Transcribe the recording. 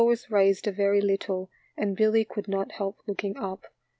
was raised a very little and Billy could not help looking up.